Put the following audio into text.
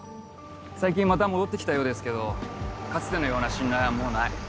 最近また戻って来たようですけどかつてのような信頼はもうない。